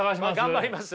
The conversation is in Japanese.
頑張ります？